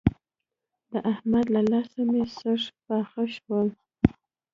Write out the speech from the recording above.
د احمد له لاسه مې سږي پاخه شول.